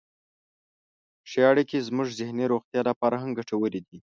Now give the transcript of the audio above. ښې اړیکې زموږ ذهني روغتیا لپاره هم ګټورې دي.